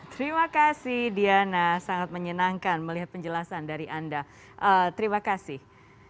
terima kasih diana sangat menyenangkan melihat penjelasan dari anda terima kasih